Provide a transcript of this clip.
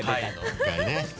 １回ね